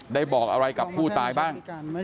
บอกอะไรกับผู้ตายบ้าง